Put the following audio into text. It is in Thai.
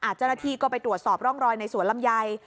เจ้าหน้าที่ก็ไปตรวจสอบร่องรอยในสวนลำไย